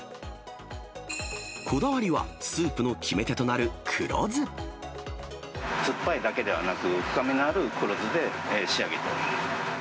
こだわりは、スープの決め手とな酸っぱいだけではなく、深みのある黒酢で仕上げています。